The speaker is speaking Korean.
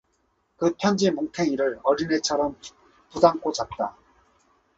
그 편지 뭉텡이를 어린애처럼 붙안고 잤다.